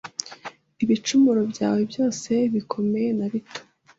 ibicumuro byawe byose bikomeye na bito